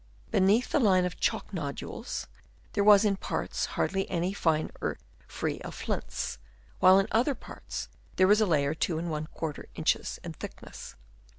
Beneath the line of chalk nodules there was in parts hardly any fine earth free of flints, while in other parts there was a layer, 2£ inches in thickness.